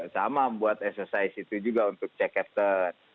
sama buat exercise itu juga untuk check captain